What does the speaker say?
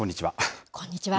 こんにちは。